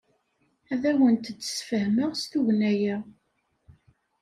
Ad awent-d-sfehmeɣ s tugna-a.